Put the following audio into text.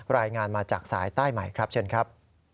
รายงานมาจากสายใต้ใหม่ครับเชิญครับ